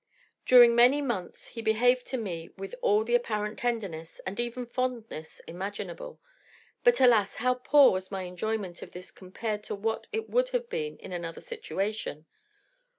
"During many months he behaved to me with all the apparent tenderness and even fondness imaginable; but, alas! how poor was my enjoyment of this compared to what it would have been in another situation?